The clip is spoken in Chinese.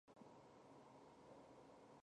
表情都十分严厉